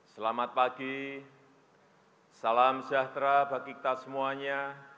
selamat pagi salam sejahtera bagi kita semuanya